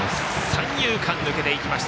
三遊間に抜けていきました。